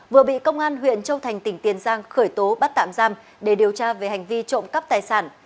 vừa bị công an huyện châu thành tỉnh tiền giang khởi tố bắt tạm giam để điều tra về hành vi trộm cắp tài sản